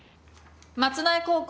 松苗高校